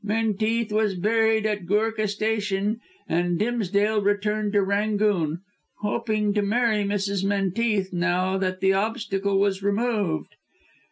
Menteith was buried at Goorkah Station and Dimsdale returned to Rangoon, hoping to marry Mrs. Menteith now that the obstacle was removed.